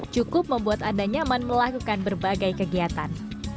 cukup membuat anda nyaman melakukan berbagai kegiatan